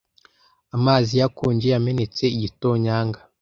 amazi ye akonje yamenetse igitonyanga